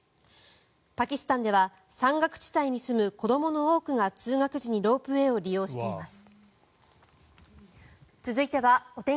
パキスタンでは山岳地帯に住む子どもの多くが通学時にロープウェーを利用しています。